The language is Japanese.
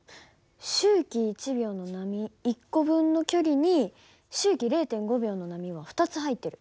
周期１秒の波１個分の距離に周期０．５秒の波が２つ入ってる。